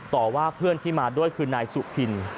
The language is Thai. ต่อว่าเพื่อนที่มาด้วยคือนายสุพิน